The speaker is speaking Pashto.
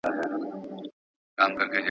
ورته پېښه ناروغي سوله د سترګو ,